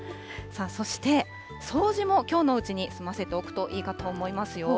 そして掃除もきょうのうちに済ませておくといいかと思いますよ。